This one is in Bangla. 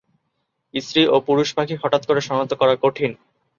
স্ত্রী ও পুরুষ পাখি হঠাৎ করে শনাক্ত করা কঠিন।